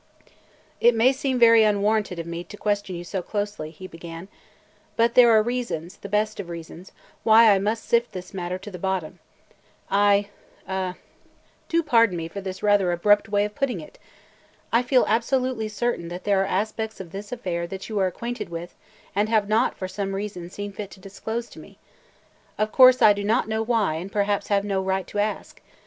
"It may seem very unwarranted of me to question you so closely," he began, "but there are reasons, the best of reasons, why I must sift this matter to the bottom. I – er – do pardon me for this rather abrupt way of putting it! – I feel absolutely certain that there are aspects of this affair that you are acquainted with and have not, for some reason, seen fit to disclose to me. Of course, I do not know why and perhaps have no right to ask.